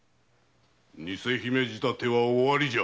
偽姫仕立ては終わりじゃ。